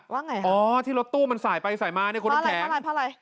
ว่าไงอ๋อที่รถตู้มันสายไปสายมาเนี่ยคุณอบแข็งพระอะไรพระอะไร